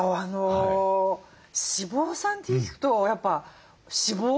脂肪酸って聞くとやっぱ脂肪？